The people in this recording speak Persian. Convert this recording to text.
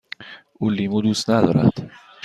او لیمو دوست ندارد.